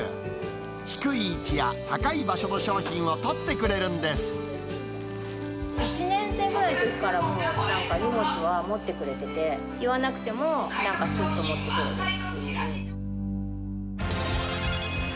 低い位置や高い場所の商品を取っ１年生ぐらいのときからもう、なんか荷物は持ってくれてて、言わなくても、なんかすっと持ってくれるっていう。